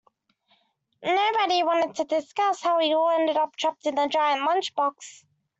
Nobody wanted to discuss how we all ended up trapped in a giant lunchbox.